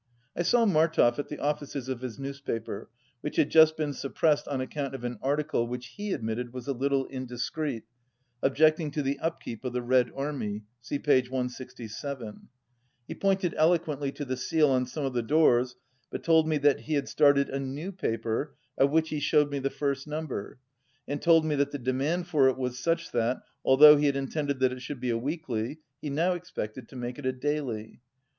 I saw Martov at the offices of his newspaper, which had just been suppressed on account of an article, which he admitted was a little indiscreet, objecting to the upkeep of the Red Army (see page 167). He pointed eloquently to the seal on some of the doors, but told me that he had started a new paper, of which he showed me the first number, and told me that the demand for it was such that although he had intended that it should be a weekly he now expected to make it a daily.